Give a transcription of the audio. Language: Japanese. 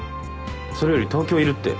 それより東京いるって。